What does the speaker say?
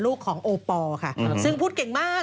ลูกของโอปอล์ค่ะซึ่งพูดเก่งมาก